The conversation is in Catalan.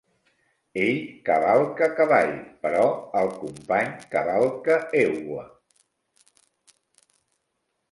Ell cavalca cavall, però el company cavalca egua.